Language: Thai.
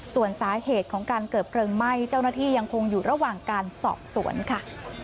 ส่วนสาเหตุของการเกิดเพลิงไหม้เจ้าหน้าที่ยังคงอยู่ระหว่างการสอบสวนค่ะ